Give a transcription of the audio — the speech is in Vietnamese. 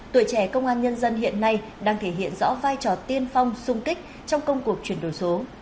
tuổi trẻ công an nhân dân hiện nay đang thể hiện rõ vai trò tiên phong sung kích trong công cuộc chuyển đổi số